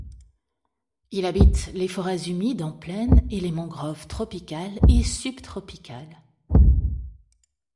Il habite les forêts humides en plaine et les mangroves tropicales et subtropicales.